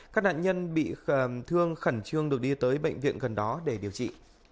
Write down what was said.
các nạn nhân bị thương khẩn trương được đi tới bệnh viện gần đó để điều trị